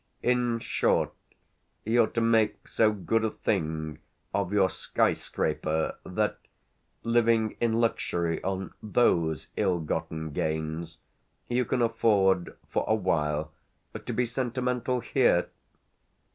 "In short you're to make so good a thing of your sky scraper that, living in luxury on those ill gotten gains, you can afford for a while to be sentimental here!"